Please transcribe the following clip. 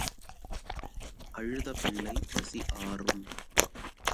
அழுத பிள்ளை பசி ஆறும்.